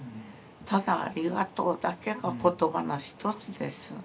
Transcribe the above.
ただありがとうだけが言葉の一つです。